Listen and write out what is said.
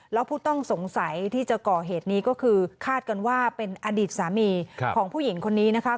แล้วผู้ต้องสงสัยที่จะก่อเหตุนี้ก็คือคาดกันว่าเป็นอดีตสามีของผู้หญิงคนนี้นะคะ